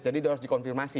jadi harus dikonfirmasi